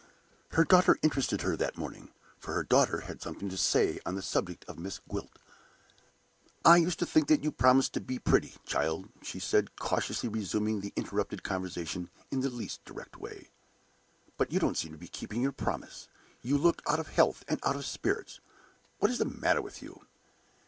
Her daughter interested her that morning; for her daughter had something to say on the subject of Miss Gwilt. "I used to think that you promised to be pretty, child," she said, cautiously resuming the interrupted conversation in the least direct way. "But you don't seem to be keeping your promise. You look out of health and out of spirits. What is the matter with you?"